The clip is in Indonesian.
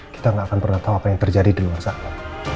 kita gak akan pernah tahu apa yang terjadi di rumah sakit